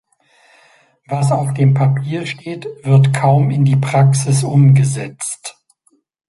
Was auf dem Papier steht, wird kaum in die Praxis umgesetzt.